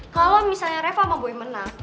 kalau misalnya reva sama boy menang